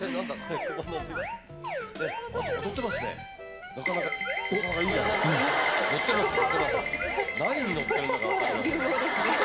踊ってますね。